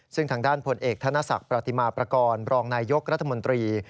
ซึ่งทางด้านพลเอกธนศักดิ์ประติมาประกอบรองนายยกรัฐมนตรี